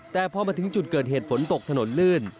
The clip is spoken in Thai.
แต่พอมาถึงจุดเกิดเหตุฝนตกถนนลื่น